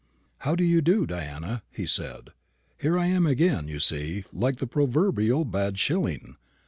"How do you do, Diana?" he said. "Here I am again, you see, like the proverbial bad shilling.